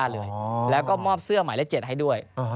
แล้วก็มอบเสื้อหมายเลข๗ให้ด้วย